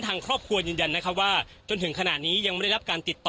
ทางครอบครัวยืนยันนะคะว่าจนถึงขณะนี้ยังไม่ได้รับการติดต่อ